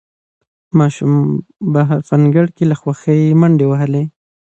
ماشوم بهر په انګړ کې له خوښۍ منډې وهلې